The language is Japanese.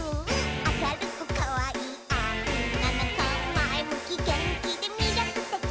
「あかるくかわいいおんなのこ」「まえむきげんきでみりょくてき！」